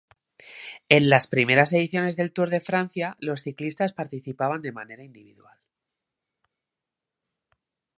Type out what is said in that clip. En las primeras ediciones del Tour de Francia los ciclistas participaban de manera individual.